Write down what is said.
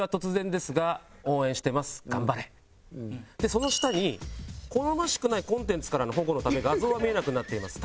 その下に「好ましくないコンテンツからの保護のため画像は見えなくなっています。